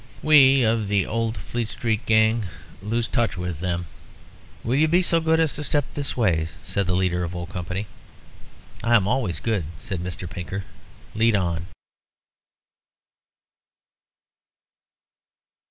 We of the old Fleet Street gang lose touch with them." "Will you be so good as to step this way?" said the leader of O company. "I am always good," said Mr. Pinker. "Lead on."